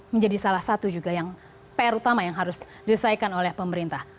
menjadi salah satu juga yang pr utama yang harus diselesaikan oleh pemerintah